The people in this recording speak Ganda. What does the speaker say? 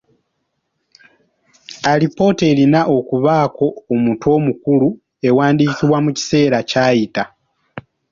Alipoota erina okubaako omutwe omukulu, ewandiikibwa mu kiseera kyayita.